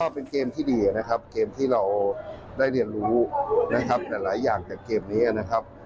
เป็นเกมที่ดีนะครับเกมที่เราได้เรียนรู้นะครับหลายอย่างจากเกมนี้นะครับ